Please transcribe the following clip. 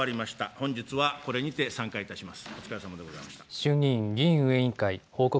本日はこれにて散会いたします。